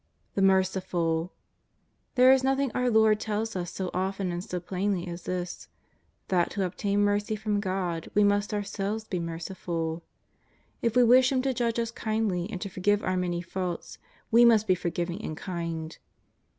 The merciful. There is nothing our Lord tells us 60 often and so plainly as this — that to obtain mercy from God we must ourselves be merciful. If we wish Him to judge us kindly and to forgive our many faults, we must be forgiving and kind.